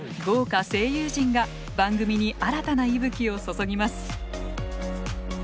豪華声優陣が番組に新たな息吹を注ぎます。